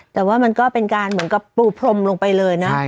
แต่ว่ามันก็เป็นการเหมือนกับปูพรมลงไปเลยนะ